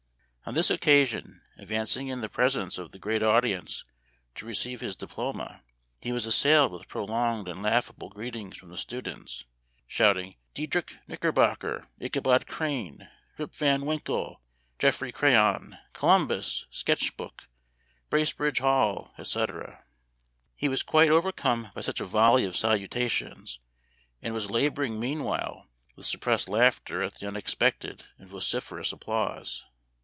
On this occasion, advancing in the presence of the great audience to receive his diploma, he Memoir of Washington Irving. 195 was assailed with prolonged and laughable greetings from the students, shouting Diedrich Knickerbocker, Ichabod Crane, Rip Van Win kle, Geoffrey Crayon, Columbus, Sketch Book, Bracebridge Hall, etc. He was quite overcome by such a volley of salutations, and was labor ing meanwhile with suppressed laughter at the unexpected and vociferous applause.